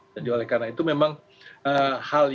jadi oleh karena itu memang hal yang